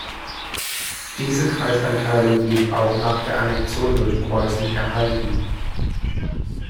Diese Kreiseinteilung blieb auch nach der Annexion durch Preußen erhalten.